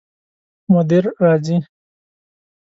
مدیر راځي؟